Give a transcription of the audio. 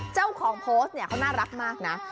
เจ้าของโพสต์เนี่ยเขาน่ารักมากนะ